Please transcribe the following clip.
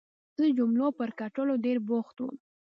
زه د جملو پر کټلو ډېر بوخت وم.